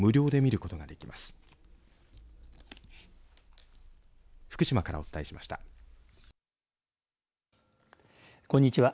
こんにちは。